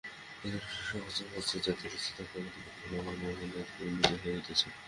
এখনও যে সহস্র সহস্র জাতি রহিয়াছে, তাহাদের মধ্যে কতকগুলি আবার ব্রাহ্মণজাতিতে উন্নীত হইতেছে।